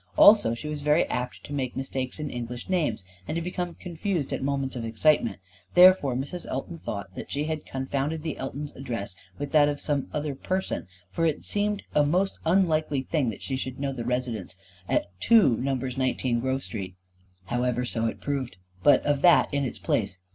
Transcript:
Also she was very apt to make mistakes in English names, and to become confused at moments of excitement. Therefore Mrs. Elton thought that she had confounded the Eltons' address with that of some other person; for it seemed a most unlikely thing that she should know the residents at two Nos. 19 Grove Street. However so it proved but of that in its place.